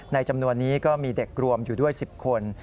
จำนวนนี้ก็มีเด็กรวมอยู่ด้วย๑๐คน